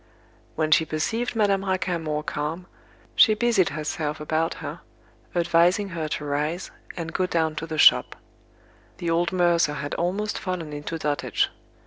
When she perceived Madame Raquin more calm, she busied herself about her, advising her to rise, and go down to the shop. The old mercer had almost fallen into dotage.